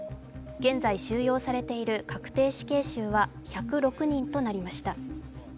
現在収容されている確定死刑囚は１０６人となりました。